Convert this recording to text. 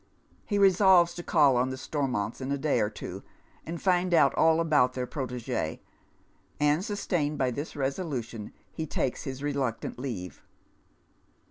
He resolves to call on the Stormontc in a day or two, and find out all about their protegie ; and sustained by this resolution, he takes his reluctant leave.